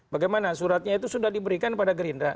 bagaimana suratnya itu sudah diberikan pada gerindra